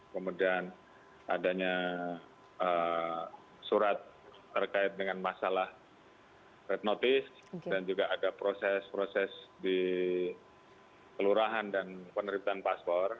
kemudian adanya surat terkait dengan masalah red notice dan juga ada proses proses di kelurahan dan penerimaan paspor